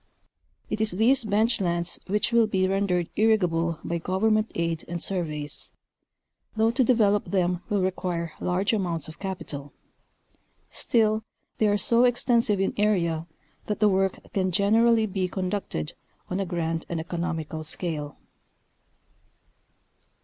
It is these bench lands which will be rendered irrigable by vovernment aid and surveys, though to develop them will require large amounts of capital ; still, they are so extensive in area that the work can generally be conducted on a grand and economical scale.